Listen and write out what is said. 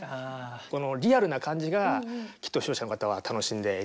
このリアルな感じがきっと視聴者の方は楽しんでいただける。